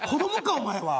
お前は。